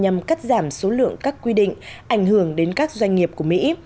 nhằm cắt giảm số lượng các quy định ảnh hưởng đến các doanh nghiệp của mỹ